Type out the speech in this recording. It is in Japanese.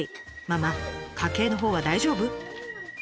ママ家計のほうは大丈夫？